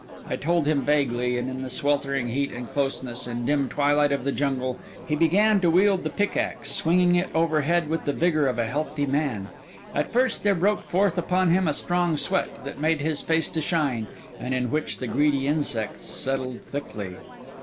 I told him vaguely; and in the sweltering heat and closeness, and dim twilight of the jungle, he began to wield the pickaxe, swinging it overhead with the vigour of a healthy man. At first, there broke forth upon him a strong sweat, that made his face to shine, and in which the greedy insects settled thickly.